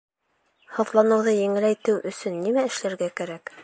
Һыҙланыуҙы еңеләйтеү өсөн нимә эшләргә кәрәк?